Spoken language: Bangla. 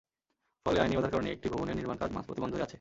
ফলে, আইনি বাধার কারণে একটি ভবনের নির্মাণকাজ মাঝপথে বন্ধ হয়ে আছে।